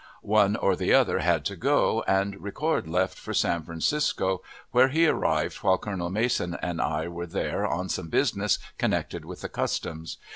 One or the other had to go, and Ricord left for San Francisco, where he arrived while Colonel Mason and I were there on some business connected with the customs.